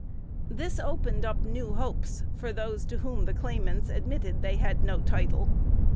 This opened up new hopes for those to whom the claimants admitted they had no title.